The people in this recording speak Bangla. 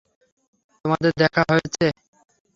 তোমাদের দেখা হয়েছে?